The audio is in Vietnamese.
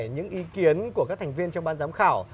những ý kiến của các thành viên trong ban giám khảo